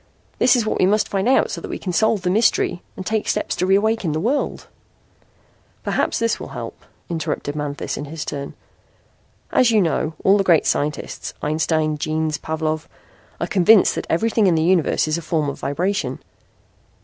That is what we must find out so we can solve the mystery and take steps to reawaken the world " "Perhaps this will help," interrupted Manthis in his turn. "As you know, all the great scientists Einstein, Jeans, Pavlov are convinced that everything in the universe is a form of vibration.